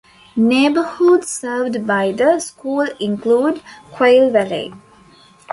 Neighborhoods served by the school include Quail Valley.